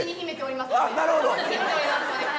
なるほど！